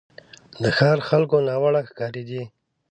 د ښار خلکو ته ناوړه ښکارېدی.